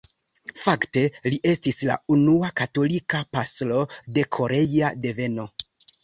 Fakte li estis la unua katolika pastro de korea deveno.